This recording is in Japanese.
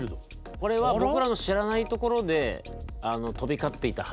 これは僕らの知らないところで飛び交っていた話ということですかね。